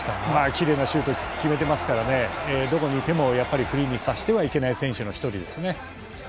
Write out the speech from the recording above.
きれいなシュートを決めてますからどこにいてもやっぱりフリーにさせてはいけない選手の１人ですね。